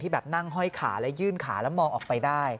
แบบนั่งห้อยขาและยื่นขาแล้วมองออกไปได้